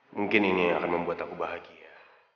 mungkin ini akan membuat aku bahagia